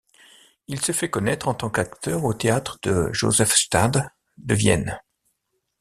Il se fait connaître en tant qu’acteur au Théâtre de Josefstadt de Vienne.